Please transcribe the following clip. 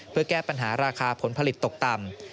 เพื่อแก้ปัญหาราคาผลผลิตตกต่ำ